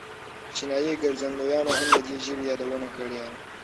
چینایي ګرځندویانو هم د دې ژبې یادونه کړې.